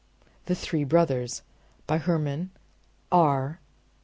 THE THREE BROTHERS By Hermann R.